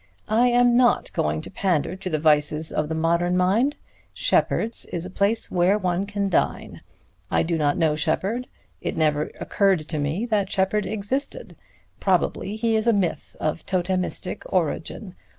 I am not going to pander to the vices of the modern mind. Sheppard's is a place where one can dine. I do not know Sheppard. It never occurred to me that Sheppard existed. Probably he is a myth of totemistic origin.